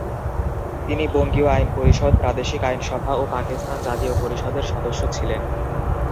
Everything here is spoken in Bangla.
তিনি বঙ্গীয় আইন পরিষদ, প্রাদেশিক আইন সভা ও পাকিস্তান জাতীয় পরিষদের সদস্য ছিলেন।